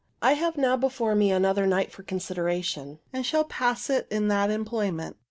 I have now before me another night for consideration, and shall pass it in that employment.